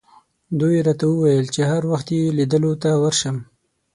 دوی راته وویل چې هر وخت یې لیدلو ته ورشم.